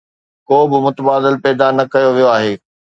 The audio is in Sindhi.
ڪوبه متبادل پيدا نه ڪيو ويو آهي.